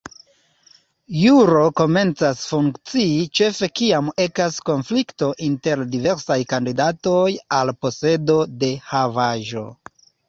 Juro komencas funkcii ĉefe kiam ekas konflikto inter diversaj kandidatoj al posedo de havaĵo.